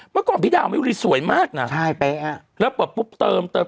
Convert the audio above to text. เมื่อก่อนพี่ดาวมายุรีสวยมากน่ะใช่เป๊ะฮะแล้วเปิดปุ๊บเติมเติม